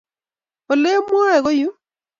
Olemwae ko yuu